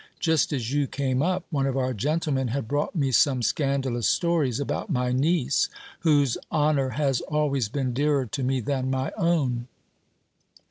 Just as you came up, one of our gentlemen had brought me some scandalous stories about my niece, whose honour has always been dearer to me than my own.